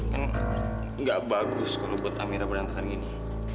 kan gak bagus kalau buat amira berantakan gini